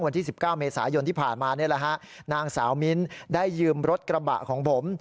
วันที่๑๙เมษายนที่ผ่านมานี่แหละฮะนางสาวมิ้นได้ยืมรถกระบะของผม